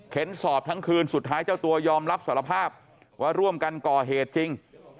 สอบทั้งคืนสุดท้ายเจ้าตัวยอมรับสารภาพว่าร่วมกันก่อเหตุจริง